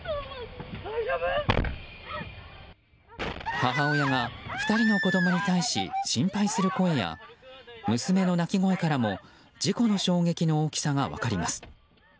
母親が２人の子供に対し心配する声や娘の泣き声からも事故の衝撃の大きさが分かります。